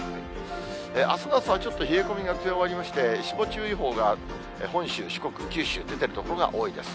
あすの朝はちょっと冷え込みが強まりまして、霜注意報が本州、四国、九州、出てる所が多いです。